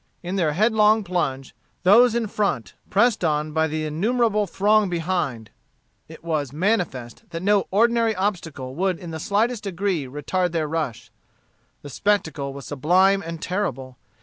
In their head long plunge, those in front pressed on by the innumerable throng behind, it was manifest that no ordinary obstacle would in the slightest degree retard their rush. The spectacle was sublime and terrible.